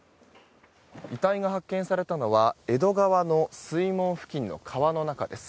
遺体が発見されたのは江戸川の水門付近の川の中です。